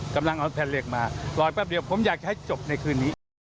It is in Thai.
กำลังเอาแพรนเหล็กมารอแปปเดี๋ยวผมอยากให้จบในคืนนี้